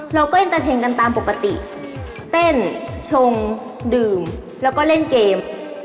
เอ็นเตอร์เทนกันตามปกติเต้นชงดื่มแล้วก็เล่นเกม